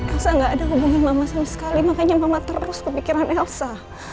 elsa gak ada hubungan mama sama sekali makanya mama terus kepikiran elsa